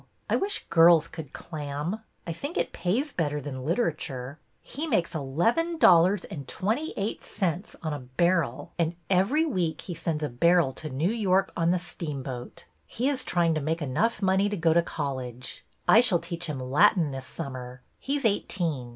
I wish girls could clam. I think it pays better than literature. He makes eleven dollars and twenty eight cents on a barrel, and every week he sends a barrel 42 BETTY BAIRD'S VENTURES to New York on the steamboat. He is trying to make enough money to go to college. I shall teach him Latin this summer. He 's eighteen.